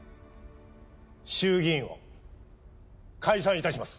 衆議院を解散致します！